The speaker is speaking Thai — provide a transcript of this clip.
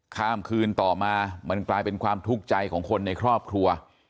ข้ามคืนต่อมามันกลายเป็นความทุกข์ใจของคนในครอบครัว